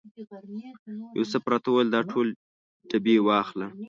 یوسف راته وویل دا ټول ډبې واخله.